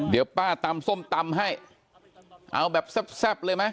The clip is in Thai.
เดี๋ยวป้าตำส้มตำให้เอาแบบแซ่บเลยไหม